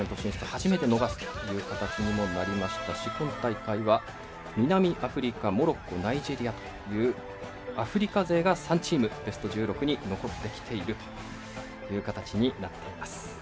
初めて逃すという形にもなりましたし今大会は、南アフリカモロッコ、ナイジェリアというアフリカ勢が３チームベスト１６に残ってきているという形になっています。